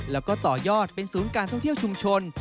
แล้วก็ต่อยอดเป็นศูนย์การท่องเที่ยวชุมชน